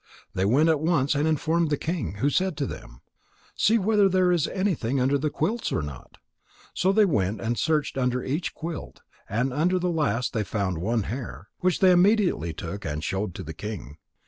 They went at once and informed the king, who said to them: "See whether there is anything under the quilts or not." So they went and searched under each quilt, and under the last they found one hair, which they immediately took and showed to the king.